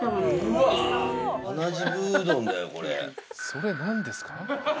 それ何ですか？